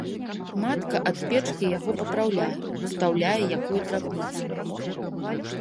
Матка ад печкі яго папраўляе, устаўляе якую драбніцу.